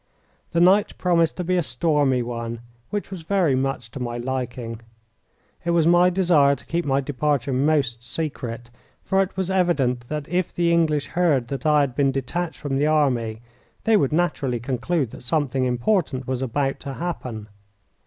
The night promised to be a stormy one, which was very much to my liking. It was my desire to keep my departure most secret, for it was evident that if the English heard that I had been detached from the army they would naturally conclude that something important was about to happen.